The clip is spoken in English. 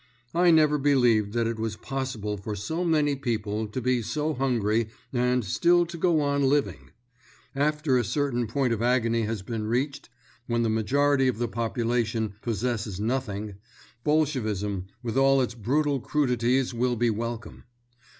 I never believed that it was possible for so many people to be so hungry and still to go on living. After a certain point of agony has been reached, when the majority of the population possesses nothing, Bolshevism with all its brutal crudities will be welcome.